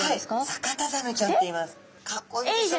サカタザメちゃんっていいます。